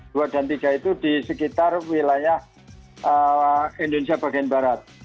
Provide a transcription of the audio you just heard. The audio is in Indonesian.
dua dan tiga itu di sekitar wilayah indonesia bagian barat